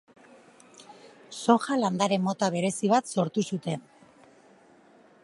Soja landare mota berezi bat sortu zuten.